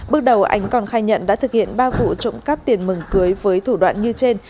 bước đầu ánh còn khai nhận đã thực hiện ba vụ trộm cắp tiền mừng cưới với thủ đoạn như trên